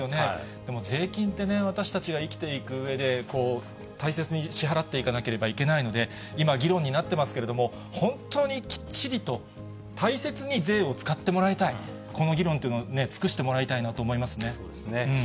でも税金ってね、私たちが生きていくうえで、大切に支払っていかなければいけないので、今、議論になってますけれども、本当にきっちりと、大切に税を使ってもらいたい、この議論っていうのを尽くしてもそうですね。